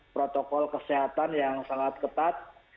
protokol kesehatan yang sangat ketat